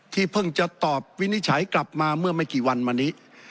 เพิ่งจะตอบวินิจฉัยกลับมาเมื่อไม่กี่วันมานี้